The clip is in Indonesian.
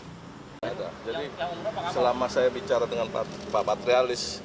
jadi selama saya bicara dengan pak patrialis